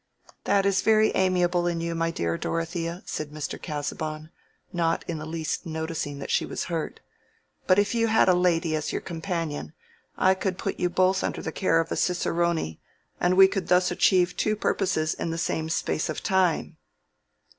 "That is very amiable in you, my dear Dorothea," said Mr. Casaubon, not in the least noticing that she was hurt; "but if you had a lady as your companion, I could put you both under the care of a cicerone, and we could thus achieve two purposes in the same space of time."